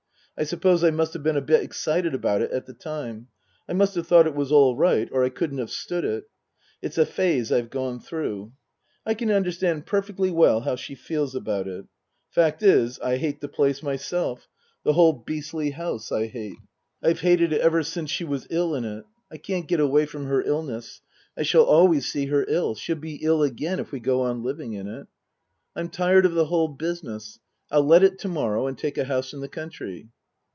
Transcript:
I suppose I must have been a bit excited about it at the time I must have thought it was all right or I couldn't have stood it. "It's a phase I've gone through. " I can understand perfectly well how she feels about it. " Fact is, I hate the place myself the whole beastly 210 Tasker Jevons house I hate. I've hated it ever since she was ill in it. I can't get away from her illness. I shall always see her ill. She'll be ill again if we go on living in it. "I'm tired of the whole business I'll let it to morrow and take a house in the country.